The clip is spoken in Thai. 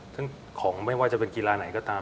ซึ่งของไม่ว่าจะเป็นกีฬาไหนก็ตาม